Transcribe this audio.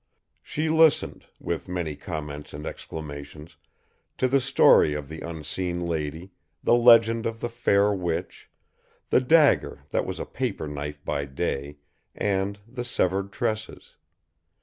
She listened, with many comments and exclamations, to the story of the unseen lady, the legend of the fair witch, the dagger that was a paper knife by day and the severed tresses.